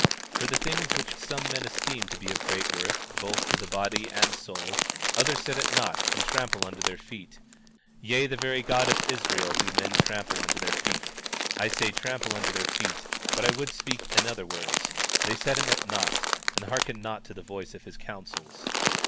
19:7 For the things which some men esteem to be of great worth, both to the body and soul, others set at naught and trample under their feet. Yea, even the very God of Israel do men trample under their feet; I say, trample under their feet but I would speak in other words—they set him at naught, and hearken not to the voice of his counsels.